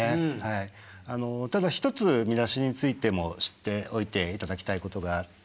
ただ一つ見出しについても知っておいていただきたいことがあって。